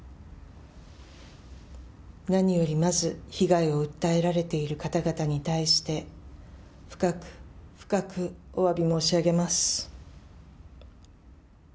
何よりまず、被害を訴えられている方々に対して、深く深くおわび申し上げます。